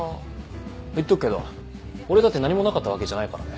言っとくけど俺だって何もなかったわけじゃないからね。